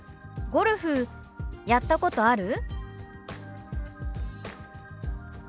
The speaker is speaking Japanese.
「ゴルフやったことある？」。